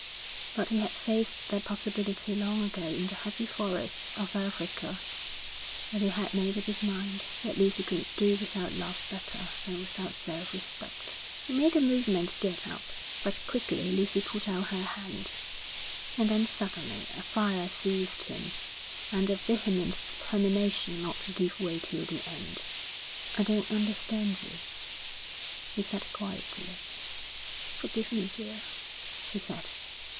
But he had faced that possibility long ago in the heavy forests of Africa, and he had made up his mind that Lucy could do without love better than without self respect. He made a movement to get up, but quickly Lucy put out her hand. And then suddenly a fire seized him, and a vehement determination not to give way till the end. 'I don't understand you,' he said quietly. 'Forgive me, dear,' she said.